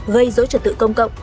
gây dối trật tự công cộng